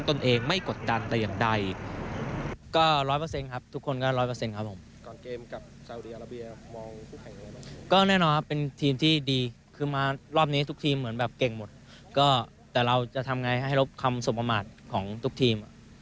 ตนเองไม่กดดันแต่อย่างใด